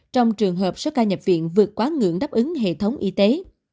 trong trường hợp số ca nhập viện vượt quá ngưỡng đáp ứng hệ thống y tế